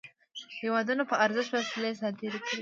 هیوادونو په ارزښت وسلې صادري کړې.